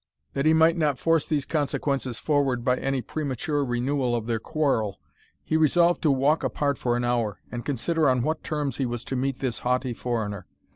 That he might not force these consequences forward by any premature renewal of their quarrel, he resolved to walk apart for an hour, and consider on what terms he was to meet this haughty foreigner.